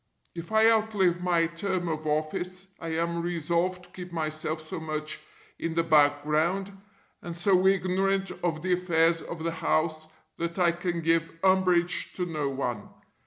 If I outlive my term of office I am resolved to keep myself so much in the background, and so ignorant of the affairs of the house that I can give umbrage to no one.